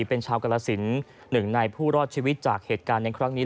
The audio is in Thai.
เป็นชาวกรสินหนึ่งในผู้รอดชีวิตจากเหตุการณ์ในครั้งนี้